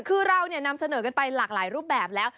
คือเรานำเสนอกันไปหลากหลายรูปแบบแล้ว